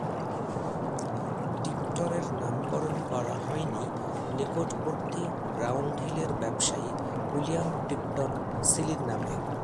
টিপটনের নামকরণ করা হয়নিকটবর্তী রাউন্ড হিলের ব্যবসায়ী উইলিয়াম টিপটন সিলির নামে।